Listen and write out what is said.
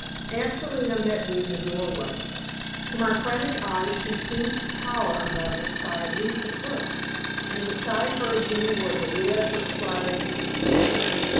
Aunt Selina met me in the doorway. To my frantic eyes she seemed to tower above us by at least a foot, and beside her Jimmy was a red, perspiring cherub.